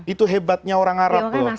itu hebatnya orang arab